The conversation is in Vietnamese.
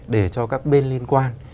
để cho các bên liên quan